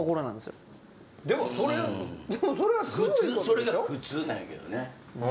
それが普通なんやけどね。